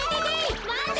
まて！